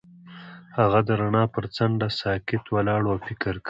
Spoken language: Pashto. هغه د رڼا پر څنډه ساکت ولاړ او فکر وکړ.